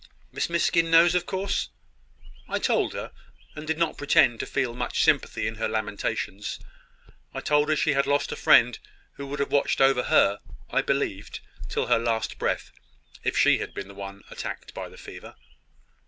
"Miss Miskin knows, of course?" "I told her, and did not pretend to feel much sympathy in her lamentations. I told her she had lost a friend who would have watched over her, I believed, till her last breath, if she had been the one attacked by the fever."